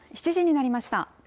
７時になりました。